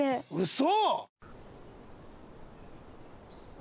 嘘！